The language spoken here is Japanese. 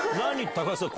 高橋さん